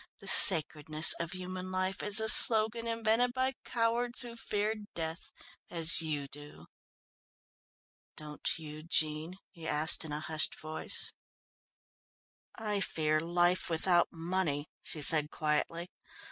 The sacredness of human life is a slogan invented by cowards who fear death as you do." "Don't you, Jean?" he asked in a hushed voice. "I fear life without money," she said quietly.